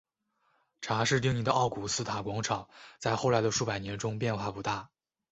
查士丁尼的奥古斯塔广场在后来的数百年中变化不大。